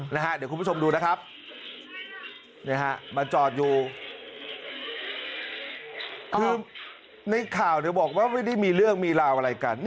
เดี๋ยวคุณผู้ชมดูนะครับมาจอดอยู่คือในข่าวบอกว่าไม่ได้มีเรื่องมีราวอะไรกัน